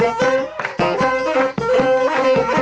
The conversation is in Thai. เอาหนึ่งเลยค่ะ